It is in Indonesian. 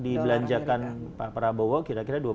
dibelanjakan pak prabowo kira kira